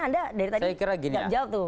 anda dari tadi tidak jawab